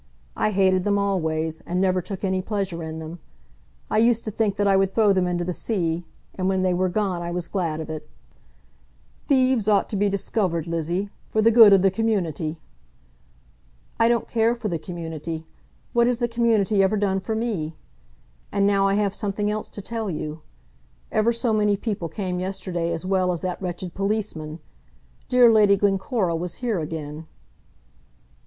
I hated them always, and never took any pleasure in them. I used to think that I would throw them into the sea; and when they were gone I was glad of it." "Thieves ought to be discovered, Lizzie, for the good of the community." "I don't care for the community. What has the community ever done for me? And now I have something else to tell you. Ever so many people came yesterday as well as that wretched policeman. Dear Lady Glencora was here again."